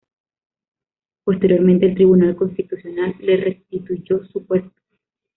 Posteriormente el Tribunal Constitucional le restituyó su puesto.